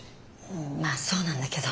うんまあそうなんだけど。